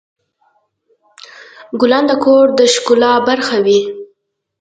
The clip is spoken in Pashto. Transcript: ګلان د کور د ښکلا برخه وي.